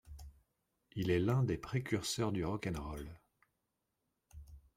Il est l'un des précurseurs du rock 'n' roll.